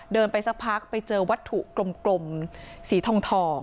ไปสักพักไปเจอวัตถุกลมสีทอง